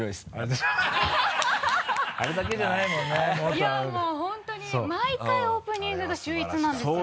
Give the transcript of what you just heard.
いやもう本当に毎回オープニングが秀逸なんですよ。